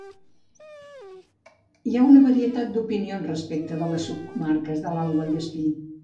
Hi ha una varietat d'opinions respecte de les subcomarques de l'Alt Vallespir.